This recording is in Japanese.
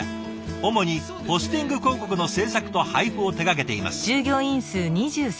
主にポスティング広告の制作と配布を手がけています。